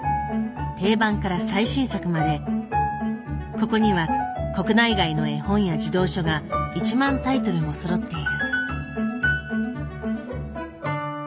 定番から最新作までここには国内外の絵本や児童書が１万タイトルもそろっている。